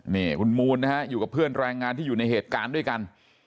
นี่คุณมูลนะฮะอยู่กับเพื่อนแรงงานที่อยู่ในเหตุการณ์ด้วยกัน